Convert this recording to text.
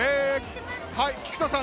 菊田さん